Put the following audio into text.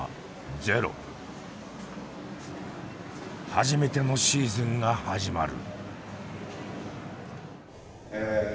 初めてのシーズンが始まる。